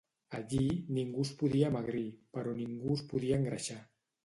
Allí ningú es podia amagrir, però ningú es podia engreixar.